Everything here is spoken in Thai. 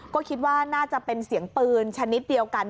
ก็คิดว่าน่าจะเป็นเสียงปืนชนิดเดียวกัน